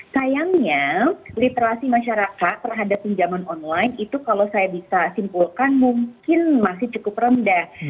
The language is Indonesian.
sayangnya literasi masyarakat terhadap pinjaman online itu kalau saya bisa simpulkan mungkin masih cukup rendah